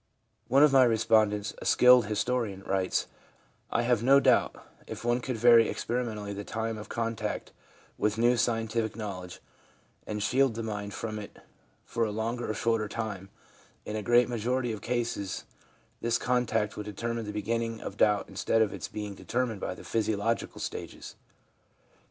One of my respondents, a skilled historian, writes :' I have no doubt, if one could vary experimentally the time of contact with new scientific knowledge, and shield the mind from it for a longer or shorter time, in a great majority of cases this contact would determine the beginning of doubt instead of its being determined by the physio logical stages.